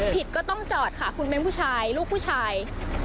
ก็ต้องจอดค่ะคุณเป็นผู้ชายลูกผู้ชาย